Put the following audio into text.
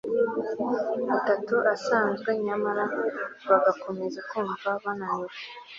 atatu asanzwe nyamara bagakomeza kumva bananiwe